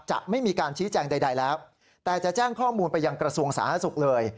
จะไม่มีการชี้แจงใดแล้วแต่จะแจ้งข้อมูลไปยังกระทรวงสาธารณสุขเลย